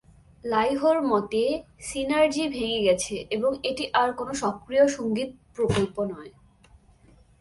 লাইহোর মতে, সিনারজি ভেঙ্গে গেছে এবং এটি আর কোন সক্রিয় সঙ্গীত প্রকল্প নয়।